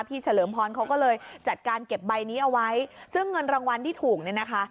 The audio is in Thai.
เฉลิมพรเขาก็เลยจัดการเก็บใบนี้เอาไว้ซึ่งเงินรางวัลที่ถูกเนี่ยนะคะ